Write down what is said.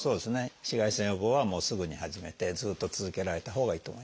紫外線予防はもうすぐに始めてずっと続けられたほうがいいと思います。